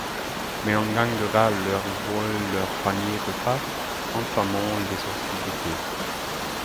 Mais un gang de rats leurs volent leurs paniers-repas, entamant les hostilités.